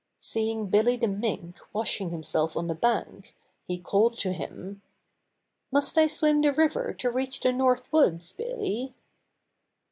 Seeing Billy the Mink wash ing himself on the bank, he called to him: "Must I swim the river to reach the North Woods, Billy?"